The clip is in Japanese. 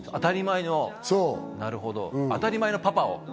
当たり前のパパを。